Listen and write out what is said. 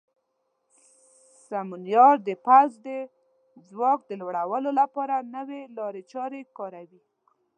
سمونیار د پوځ د ځواک د لوړولو لپاره نوې لارې چارې کاروي.